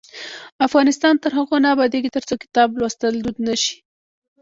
افغانستان تر هغو نه ابادیږي، ترڅو کتاب لوستل دود نشي.